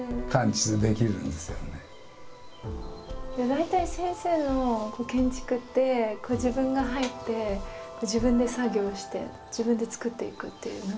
大体先生の建築って自分が入って自分で作業して自分でつくっていくっていうもの？